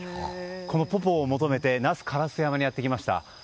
このポポーを求めて那須烏山にやってきました。